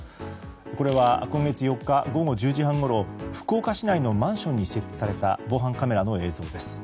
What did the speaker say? これは、今月４日午後１０時半ごろ福岡市内のマンションに設置された防犯カメラの映像です。